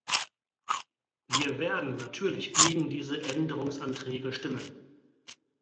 Wir werden natürlich gegen diese Änderungsanträge stimmen.